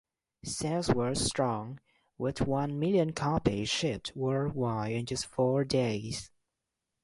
Sales were strong, with one million copies shipped worldwide in just four days.